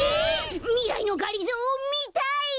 みらいのがりぞーみたい！